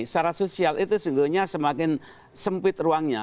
secara sosial itu sejujurnya semakin sempit ruangnya